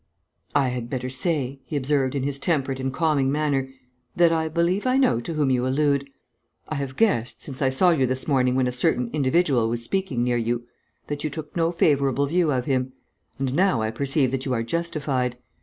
"I had better say," he observed, in his temperate and calming manner, "that I believe I know to whom you allude. I have guessed, since I saw you this morning when a certain individual was speaking near you, that you took no favourable view of him. And now I perceive that you are justified.